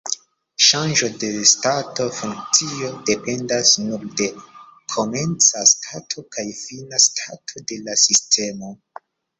Ŝanĝo de stato-funkcio dependas nur de komenca stato kaj fina stato de la sistemo.